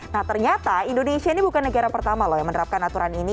nah ternyata indonesia ini bukan negara pertama loh yang menerapkan aturan ini